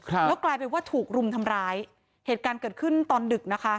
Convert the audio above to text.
แล้วกลายเป็นว่าถูกรุมทำร้ายเหตุการณ์เกิดขึ้นตอนดึกนะคะ